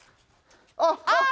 あっあっ！